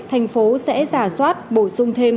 thành phố sẽ giả soát bổ sung thêm